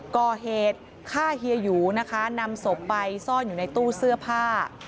ก่อเหตุฆ่าเฮียหยูนะคะนำศพไปซ่อนอยู่ในตู้เสื้อผ้า